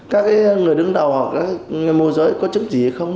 các người đứng đầu hoặc là người môi giới có chứng chỉ hay không